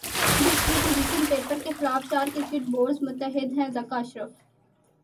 big three position paper کے خلاف چار کرکٹ بورڈز متحد ہیںذکا اشرف